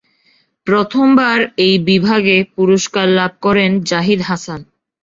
প্রথমবার এই বিভাগে পুরস্কার লাভ করেন জাহিদ হাসান।